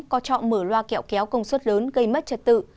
có trọ mở loa kẹo kéo công suất lớn gây mất trật tự